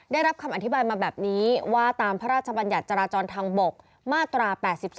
ได้รับคำอธิบายมาแบบนี้ว่าตามพระราชบัญญัติจราจรทางบกมาตรา๘๒